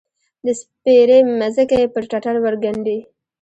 د سپیرې مځکې، پر ټټر ورګنډې